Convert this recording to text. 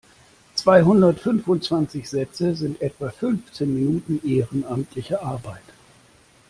Zweihundertfünfundzwanzig Sätze sind etwa fünfzehn Minuten ehrenamtliche Arbeit.